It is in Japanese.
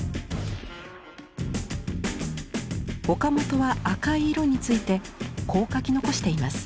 岡本は赤い色についてこう書き残しています。